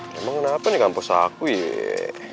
nih kenapa nih kampus aku yee